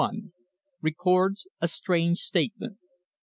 RECORDS A STRANGE STATEMENT.